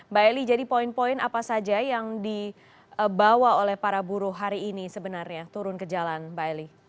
mbak eli jadi poin poin apa saja yang dibawa oleh para buruh hari ini sebenarnya turun ke jalan mbak eli